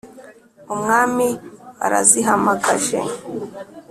umwami arazihamagaje,